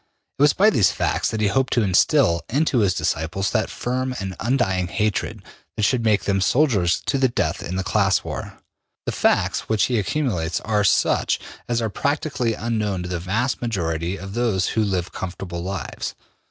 It was by these facts that he hoped to instil into his disciples that firm and undying hatred that should make them soldiers to the death in the class war. The facts which he accumulates are such as are practically unknown to the vast majority of those who live comfortable lives.